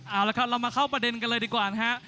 เอาละครับเรามาเข้าประเด็นกันเลยดีกว่านะฮะ